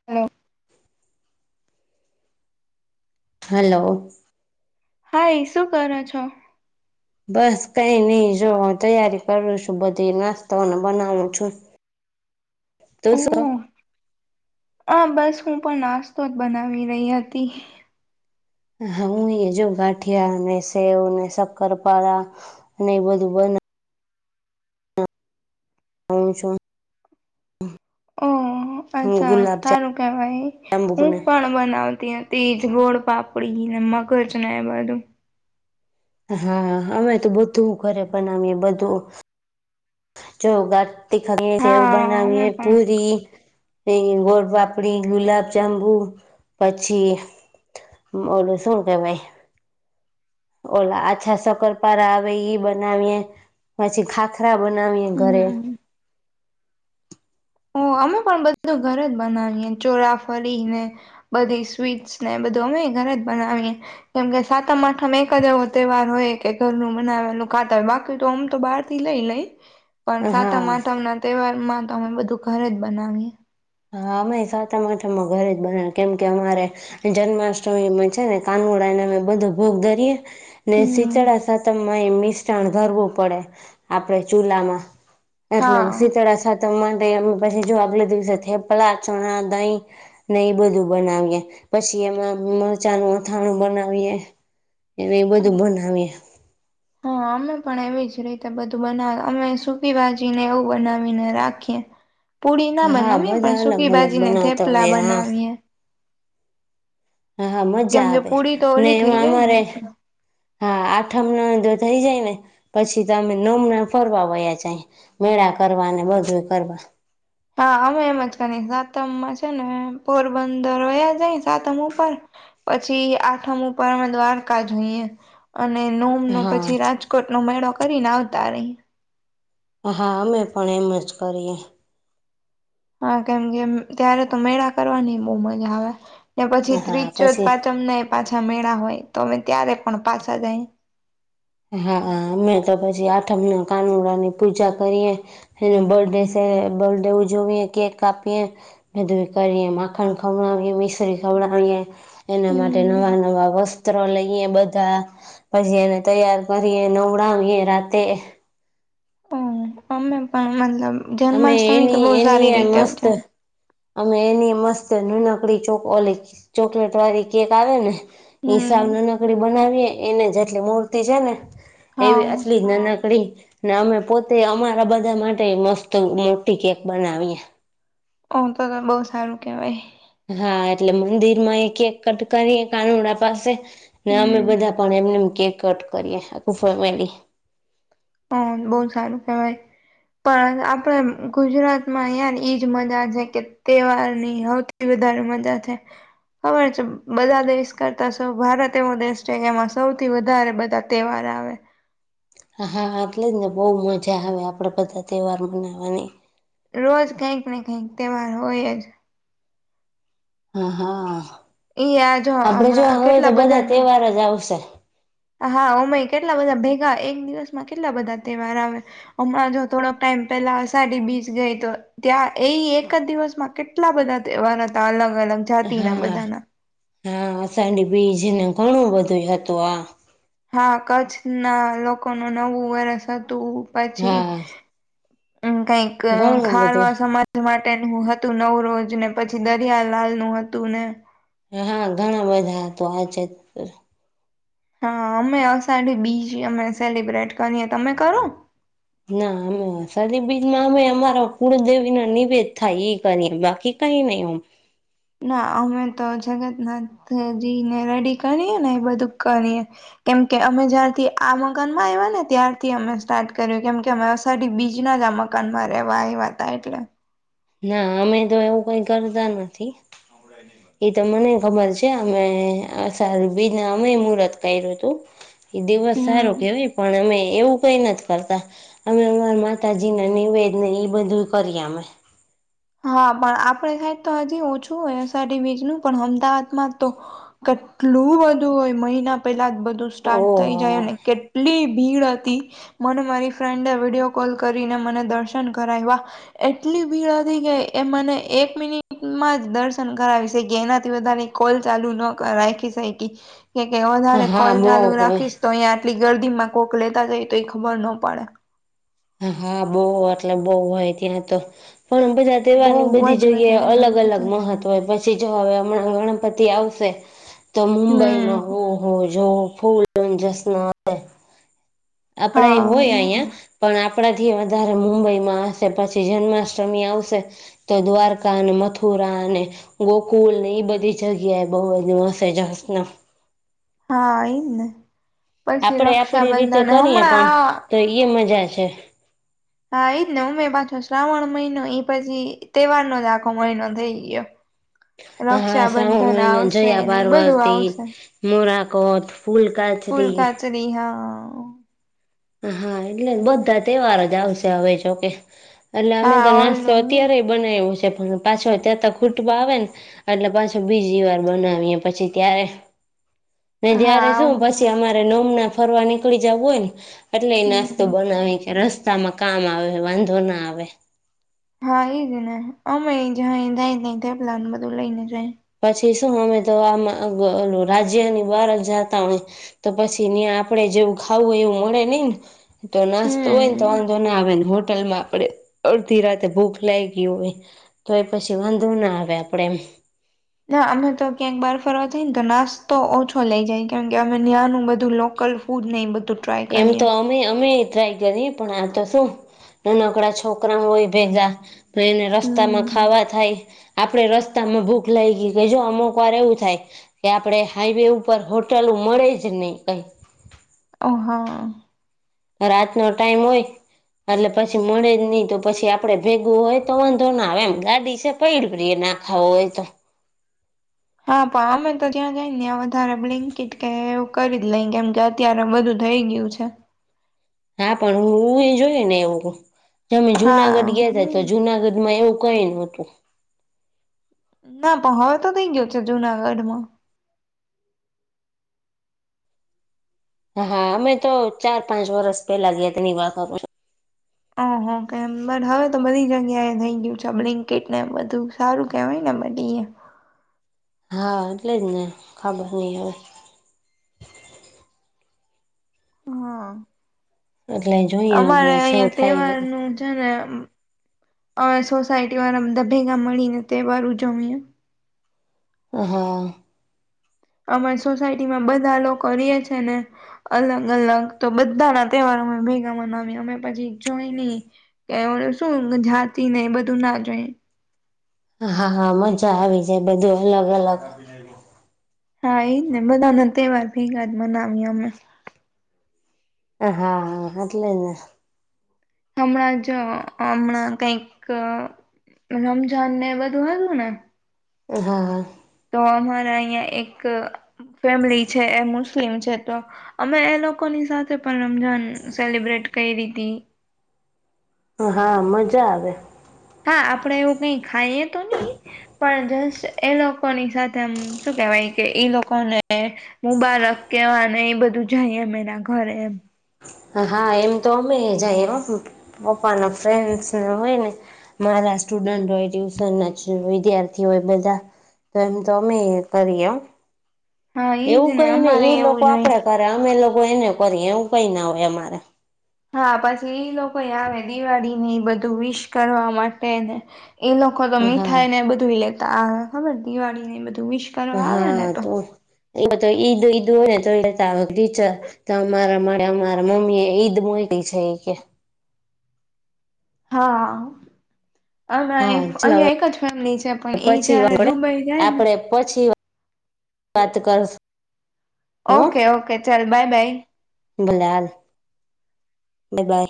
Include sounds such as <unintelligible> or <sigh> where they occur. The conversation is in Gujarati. <unintelligible> હલો. હાય શું કરો છો બસ કઈ નહી જો આ તૈયારી કરું છું બધી નાસ્તોને બનાવું છું. <inaudible> ઓહ <unintelligible> હા બસ હું પણ નાસ્તો જ બનાવી રહી હતી. હા હું એ જો ગાંઠિયા અને સેવ અને શક્કરપાારા ને એ બધું બના <inaudible> <inaudible> ગુલાબ જાંબુને બનાવતી હતી ગોળ પાપડી ને મગજ ને એ બધૂ હા અમે તો બધુ ઘરે બનાવીએ બધુ જો ગા તે <unintelligible> એવુ હા અમે બનાવીએે પણ પુરી ગોડપાપડી ગુલાબ જાંબુ પછી બોલો શુ ગમે? ઓલા આછા સકરપારા આવે ઈ બનાવીએ પછી ખાખરા ખાખરા બનાવીએ ઘરે. હમ અમે પણ બધું ઘરે જ બનાવીએ ચોરાફળી ને બધી સ્વીટ્સ ને એ બધું અમે ઘરે જ બનાવીએ. કેમ કે સાતમ આઠમ એક જ એવો તહેવાર હોય કે ઘરનુ બનાવેલુ ખાતા હોય બાકી તો આમ તો બહાર થી લઈ લઈ પણ હા સાતમ આઠમ ના તહેવાર માં તો અમે બધું ઘરે જ બનાવીએ હા અમેય સાતમ આઠામાં ઘરે જ બના કેમ કે અમારે જન્માષ્ટમીમાં છે, ને કાનુડાને અમે બધો ભોગ ધરીએે ને હમ શીચળા સાતમમાં એ મિશતાણ ધારવુ પડે આપડે ચૂલામા એટલે હા શીતળા સાતમ માટે પછી જો આગલે દિવસે થેપલા, ચણા, દહીં ને એ બધું બનાવીએ પછી એમાં મરચાનુ અથાણું બનાવીએ અને એ બધું બનાવીએ હા અમે પણ એવી જ રીતે બધું બનાવે અમે સૂકી ભાજી ને એવું બનાવીને રાખીએ પૂરીના હા બનાવીએ પણ બધા અલગ સુકી અલગ ભાજી ને બનાવતા થેપલા હોય હા બનાવીએ હા હા કેમ મજા કે આવે પૂરી તો ને ઓલી થઈ એમાં જાય અમારે ને હા આઠમ ના જો થઇ જાય ને પછી તો અમે નોમ ના ફરવા વયા જાય મેળા કરવા ને બધું કરવા હા અમે એમ જ કરી સાતમમાં છે, ને પોરબંદર હોયા જાય સાતમ ઉપર પછી આઠમ ઉપર અમે દ્વારકા જોઈએ અને નો ન પછી હા રાજકોટ નો મેળો કરીને આવતા રહી હા અમે પણ એમ જ કરીએ હા કેમ કે ત્યારે તો મેળા કરવાની બો મજા આવે ને પછી ત્રીજ હા ચોથ પછી પાચમના પાછા મેળા હોય તો અમે ત્યારે પણ પાછા જાય હા અમે તો પછી આઠમના કાનુડાની પૂજા કરીએ <unintelligible> બર્થડે સે બર્થડે ઉજવીએ કેક કાપીએ બધું કરીએ માખણ ખવડાવી મિશ્રી ખવડાવીએ એના માટે હમ નવા નવા વસ્ત્રો લઈએ બધા પછી એને તૈયાર કરીએ નવડાવીએ રાતે હમ અમે પણ મતલબ અમે જન્માષ્ટમી તો એની બહુ એની સારી એ રીતે મસ્ત ઉજવી. અમે એની મસ્ત નાનકડી ચોક અલી ચોકલેટ વાળી કેક આવે ને હમ હિસાબને નકડી બનાવીએ એને જેટલી મૂર્તિ છે, ને એવી હા આટલી જ નાનકડી ને અમે પોતે અમારા બધા માટે મસ તો મોટી કેક બનાવીએ હ તો તો બો સારું કેવાય હા એટલે મંદિરમાં એક એક કટ કરીએ કાનુડા પાસે ને અમે હમ. બધા પણ એમને કેક કટ કરીએ આખું ફેમેલી હમ બો સારું કેવાય પણ આપડે ગુજરાતમાં અયા ઈજ મજા છે, કે તહેવારની હો એ વધારે મજા છે. ખબર છે, બધા દેશ કરતા સૌ ભારત એવો દેશ છે, કે એમાં સૌથી વધારે બધા તહેવાર આવે હા આટલે જ ને બો મજા આવે આપણે બધા તહેવાર મનાવવાની રોજ કઈક ને કઈક તહેવાર હોય જ હા હા એ આ આપડે જો હમણાં હવે તો કેટલા બધા બધાના તહેવાર જ આવશે હા અમેય કેટલા બધા ભેગા એક દિવસમાં કેટલા બધા તહેવાર આવે હમણાં જો થોડોક ટાઈમ પેલા અષાઢી બીજ ગઈ તો ત્યાં એ એક જ દિવસમાં કેટલા બધા તહેવાર હતા અલગ અલગ જાતિના હા હા બધાના હા અસાડી બીજ ને ઘણું બધું હતું આ હા કચ્છના લોકોનું નવું વર્ષ હતું પછી હા કઈક ઘણું બધું ખારવા સમાજ જ માટેનું હતું નવું રોજ ને પછી દરિયા લાલનું હતું ને હા ઘણા બધા તો આ છેે. હા અમે અષાઢી બીજી અમે સેલિબ્રેટ કરીએ તમે કરો ના અમે શદીબીજમાં અમે અમારા કુળદેવી ના નિવેદ થાય એ કરીએ બાકી કહી નહી હુ ના અમે તો જગન્નાથજી ને રેડી કરીએ ને એ બધું કરીએ. કેમ કે અમે જ્યારથી આ મકાન માં આવ્યા ને ત્યારથી અમે સ્ટાર્ટ કર્યું કેમ કે અમે અષાઢી બીજના જ આ મક દુકાન માં રેવા આયવા હતા એટલે ના અમે તો એવું કઈ કરતા નથી. એ તો મને ખબર છે અમે અષાઢી બીજના અમે મુહર્ત કર્યું હતુ એ દિવસ સારો હમ કેવાય પણ અમે એવું કઈ નથી. કરતા અમે અમારા માતાજીને નિવેદ ને એ બધું કરીએ અમે હા પણ આપણે સાઈડ તો હજી ઓછું હોય અષાઢી બીજનું પણ અમદાવાદમાં તો કેટલું બધું હોય મહિના પેલા જ બધું સ્ટાર્ટ થઈ જાય ઓહ અને કેટલી ભીડ હતી મને મારી ફ્રેન્ડે વિડીયો કોલ કરીને મને દર્શન કરાવ્યા. એટલી ભીડ હતી. થઈ જાય એ મને એક મિનિટમાં જ દર્શન કરાવી છે કે એનાથી વધારે કોલ ચાલુ ન રાખી શૈકી કે કે વધારે કોલ હા બહુ ચાલુ હોય રાખીશ તો અહીંયા આટલી ગર્દીમાં કોક લેતા જાય તો એ ખબર ના પડે હા બહુ એટલે બહુ હોય ત્યાં તો પણ બધા તેવારનું બહુ બધી જ જગ્યાએ વધારે અલગ ગરદી અલગ હતી મહત્વ તો પછી જો હવે હમણાં ગણપતિ આવશે તો મુંબઈમાં હમ ઓ હો જો ફૂલ જસન આપડે એ હા હોય એ અહિયા. પણ આપણાથી વધારે મુંબઈમાં હશે પછી જન્માષ્ટમી આવશે તો દ્વારકા અને મથુરા અને ગોકુલ ને એઈ બધી જગ્યા એ બહુ એ હસે જસના હા એઈ જ ને પછી આપણે આપડી રીતે રક્ષાબંધન કરીએ હમણાં પણ આ તો ઈએ મજા છે. હા એઈજ ને ઉમે પાછો શ્રાવણ મહિનો એ પછી તહેવારનો જ આખો મહિનો થઈ ગયો. હા શ્રાવણ રક્ષાબંધન મહિનો આવશે જયા ને બધું પાર્વતી આવશે મોરાકોટ ફૂલ કાચરી ફ હા હા એટલે બધા તહેવાર જ આવશે હવે જોકે એટલે અમે હા તો નાસ્તો ઓલું અત્યારે બનાવ્યું છે પણ પાછો ત્યાં તો ખૂટવા આવે ને એટલે પાછો બીજી વાર બનાવીએ પછી ત્યારે જયારે હા શું પછી અમારે નમના ફરવા નીકળી જવું હોય ને એટલે એ નાસ્તો હમ બનાવે કે રસ્તામાં કામ આવે વાંધો ના આવે હા એ જ ને અમે જ થાય પ્લાન બધું લઈ ને જાય પછી શું અમે તો આ રાજ્યની બાર જાતા હોય તો પછી ્યાં આપડે જેવું ખાવું એવું મળે નહ ને તો નાસ્તો હોય ને તો હમ વાંધો ના આવે ને હોટલમાં આપડે અડધી રાતે ભૂખ લાગ ગય હોય તો એ પછી વાંધો ના આવે આપણેે એમ ના અમે તો ક્યાંક બાર ફરવા થાય ને તો નાસ્તો ઓછો લઈ જાય કેમ કે અમે ના્યાનું બધું લોકલ ફૂડ નહીં બધું ટ્રાય એમ તો કરીએ અ અમે ટ્રાય કરી પણ આ તો શું નાનકડા છોકરા હોય ભેગા તો એને રસ્તામાં હમ ખાવા થાય આપડે રસ્તામાં ભૂખ લાગ ગઈ કે જો અમુક વાર એવું થાય કે આપણે હાઈવે ઉપર હોટલ મળે જ નહી કઈ ઓહા રાત નો ટાઈમ હોય એટલે પછી મળે જ નહીિ તો પછી આપડે ભેગું હોય તો વાંધો ના આવે એમ ગાડી છે પૈડ પ્રિય નાખાવ હોય તો હા પણ અમે તો ત્યાં જઈ ને્યા વધારે બ્લિન્કટ કે એવું કરી લઈ કેમ કે અત્યારે બધું થઈ ગયું છે. હા પણ હું એ જોઈ ને એવું તમે હા જુનાગઢ ગયાતા તો જુનાગઢ માં એવું કઈ ન હતું ના પણ હવે તો થઇ ગયો છે જુનાગઢ માં હા અમે તો ચાર પાંચ વરષ પેલા ગયા તેની વાર ઓહ કેમ બ હવે તો બધી જગ્યા એ થઈ ગયું છે બ્લન્કેટ ને એમ બધું હારું કેવાયને બ દડીવ હા એટલે જ ને ખબર નહી હવે હા એટલે જોઈએ હવે અમારે શું અહિયાં થાય તહેવાર બધું નું છે ને અવે સોસાયટી વાળા દા ભેગા મળીને તહેવાર ઉજમએ હા અમારી સોસાયટી માં બધા લોકો રીએ છે ને અલગ અલગ તો બધાના તહેવારો અમે ભેગા મનાવી્યા અમે પછી જોઈ નહી કે શું જાતિ ને બધું ના જોઈ હા હા મજા આવી જાય બધું અલગ અલગ હા એજ ને બધાના તહેવાર ભેગા જ મનાવીએ અમે હા હા એટલે ને હમણાં જ હમણાં કઈક રમઝાન ને બધું હતું ને હા હ તો અમારા અહિયાં એક ફેમિલી છે એ મુસ્લિમ છે તો અમે એ લોકોની સાથે પણ રમજાન સેલિબ્રેટ કયરી હતી હા મજા આવે હા આપડે એવું કઈ ખાઈએ તો નહી પણ જસ્ટ એ લોકોની સાથેમ શું કેહેવાય કે ઈ લોકોને હું બાળક કેવાને એ બધું જઈએ મેરા ઘરે એમ હા એમ તો અમે જ પપ્પા ના ફ્રેન્ડસ હોય ને મારા સ્ટુડન્ટ હોય ટ્યુશન ના વિદ્યાર્થી હોય બધા તો એમ તોમે કરીય હા એઈજ એવું ને કઈ નઈ અમારે એ એવું લોકો જ હોય આપડે કરે અમે લોકો એને કરીએ એવું કઈ ના હોય અમારે હા પછી ઈ લોકો આવે દિવાળીને ઈ બધું વિશ કરવા માટે ને એ લોકો આખો તો હા મીઠાઈ ને બધું લેતા આવે ખબર દિવાળીને બધું વિસ હા તો એ બ તો ઈદ ઈદું હોય ને તો એ વીચર તો અમારા માટે અમારા મમ્મી એ ઈદ મોકીલી છે કે હમ્મ અમાં હા એક ચાલ અહિયાં એક જ ફેમિલી છે હવે પણ એ પછી જયારે આપડે દુબઈ જાય ને આપડે પછી વાત કરશુ ઓકે ઓકે ચાલ બાય બાય બુલાાલ બાય બાય